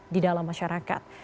di dalam masyarakat